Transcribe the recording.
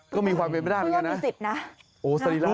ก็มีความเป็นไปได้เหมือนกันนะ